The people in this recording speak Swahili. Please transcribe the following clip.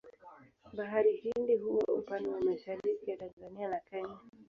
Bahari Hindi huwa upande mwa mashariki ya Tanzania na Kenya.